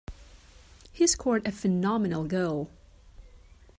He scored a phenomenal goal.